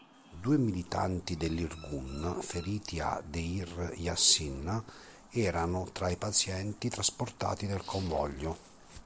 Due militanti dell'Irgun feriti a Deir Yassin erano tra i pazienti trasportati nel convoglio.